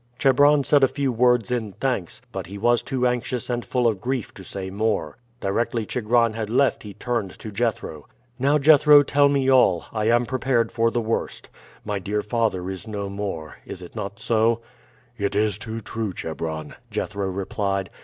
Chebron said a few words in thanks, but he was too anxious and full of grief to say more. Directly Chigron had left he turned to Jethro. "Now, Jethro, tell me all; I am prepared for the worst. My dear father is no more. Is it not so?" "It is too true, Chebron," Jethro replied.